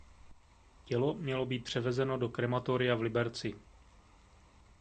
Tělo mělo být převezeno do krematoria v Liberci.